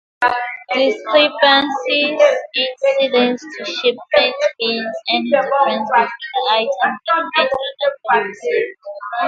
Discrepancies incident to shipment means any differences between the items documented and actually received.